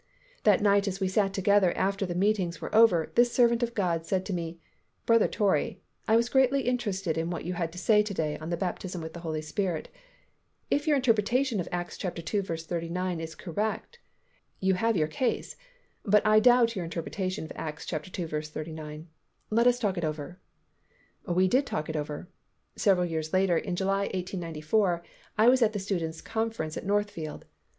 That night as we sat together after the meetings were over, this servant of God said to me, "Brother Torrey, I was greatly interested in what you had to say to day on the Baptism with the Holy Spirit. If your interpretation of Acts ii. 39 is correct, you have your case, but I doubt your interpretation of Acts ii. 39. Let us talk it over." We did talk it over. Several years later, in July, 1894, I was at the students' conference at Northfield.